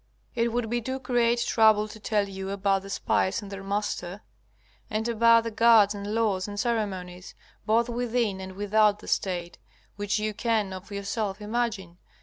It would be too great trouble to tell you about the spies and their master, and about the guards and laws and ceremonies, both within and without the State, which you can of yourself imagine.